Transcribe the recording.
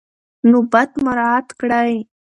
نوبت مراعات کړئ.